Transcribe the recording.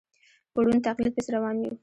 په ړوند تقلید پسې روان یو.